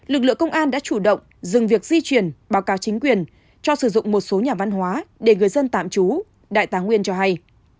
lực lượng công an đã chủ động dừng việc di chuyển báo cáo chính quyền cho sử dụng một số nhà văn hóa để người dân tạm trú đại tá nguyên cho hay